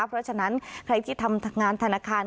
เพราะฉะนั้นใครที่ทำงานธนาคาร